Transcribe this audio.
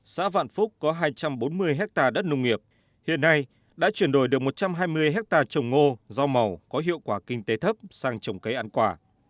xã vạn phúc có hai trăm bốn mươi hectare đất nông nghiệp hiện nay đã chuyển đổi được một trăm hai mươi hectare trồng ngô rau màu có hiệu quả kinh tế thấp sang trồng cây ăn quả